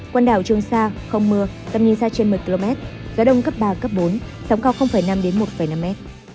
quần đảo trường sa không mưa tầm nhìn xa trên một mươi km gió đông cấp ba cấp bốn sóng cao năm một năm m